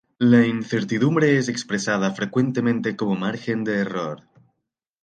La incertidumbre es expresada frecuentemente como margen de error.